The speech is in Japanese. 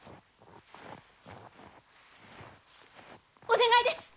お願いです！